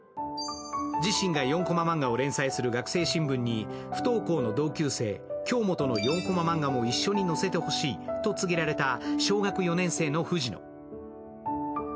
自身が４こまマンガを連載する学生新聞に不登校の同級生・京本の４こま漫画も一緒に載せてほしいと告げられた小学４年生の藤野。